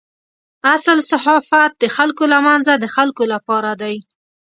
اصل صحافت د خلکو له منځه د خلکو لپاره دی.